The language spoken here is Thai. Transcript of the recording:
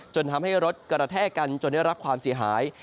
จนทำให้รถกระแทกกันจนได้รับความเสียหาย